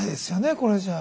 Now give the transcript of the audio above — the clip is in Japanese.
これじゃあ。